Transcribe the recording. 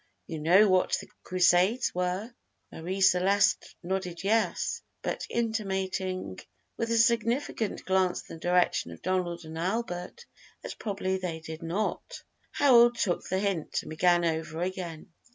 You know what the Crusades were?" Marie Celeste nodded yes, but intimating, with a significant glance in the direction of Donald and Albert, that probably they did not, Harold took the hint, and began over again.